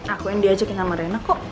aku yang diajakin sama rena kok